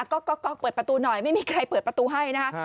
ก็ก๊อกเปิดประตูหน่อยไม่มีใครเปิดประตูให้นะคะ